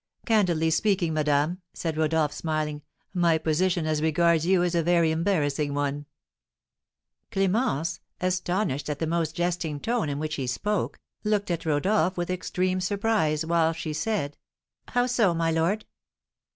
"Candidly speaking, madame," said Rodolph, smiling, "my position as regards you is a very embarrassing one." Clémence, astonished at the almost jesting tone in which he spoke, looked at Rodolph with extreme surprise, while she said, "How so, my lord?"